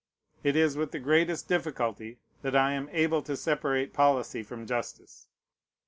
It is with the greatest difficulty that I am able to separate policy from justice.